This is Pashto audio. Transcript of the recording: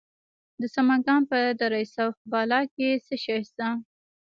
د سمنګان په دره صوف بالا کې څه شی شته؟